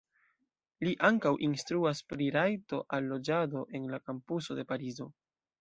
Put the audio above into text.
Li ankaŭ instruas pri rajto al loĝado en la kampuso de Parizo.